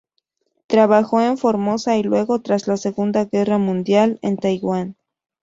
Trabajó en Formosa y luego, tras la segunda guerra mundial, en Taiwán.